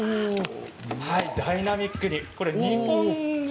ダイナミックに。